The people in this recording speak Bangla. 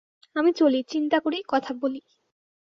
আমি চলি, চিন্তা করি, কথা বলি।